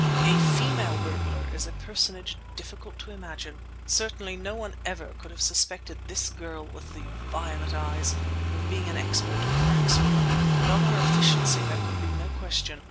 A female burglar is a personage difficult to imagine. Certainly, no one ever could have suspected this girl with the violet eyes of being an expert crackswoman; but of her efficiency there could be no question.